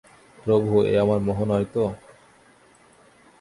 প্রভু, এ আমার মোহ নয় তো?